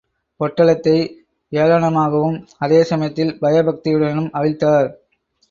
பொட்டலத்தை ஏளனமாகவும், அதே சமயத்தில் பயபக்தியுடனும் அவிழ்த்தார்!